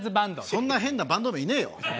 そんな変なバンド名いねえよ。